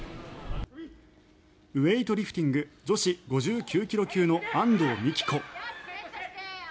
ウェイトリフティング女子５９ｋｇ級の安藤美希子。